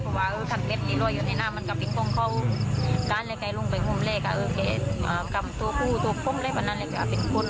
เพราะว่าคันเบ็ดนี่รวยอยู่ในน้ำมันก็เป็นของเขา